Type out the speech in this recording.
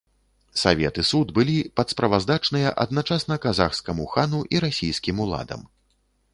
Савет і суд былі падсправаздачныя адначасна казахскаму хану і расійскім уладам.